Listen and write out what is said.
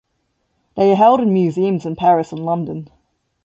They are held in museums in Paris and London.